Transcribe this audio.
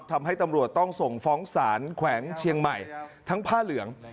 ทำให้ตำรวจต้องส่งฟ้องศาลแขวงเชียงใหม่ทั้งผ้าเหลือง